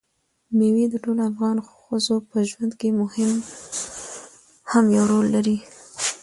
مېوې د ټولو افغان ښځو په ژوند کې هم یو رول لري.